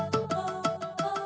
nih aku tidur